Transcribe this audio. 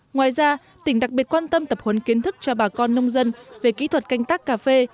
ngoài ra tỉnh đặc biệt quan tâm tập huấn kiến thức cho bà con nông dân về kỹ thuật canh tác cà phê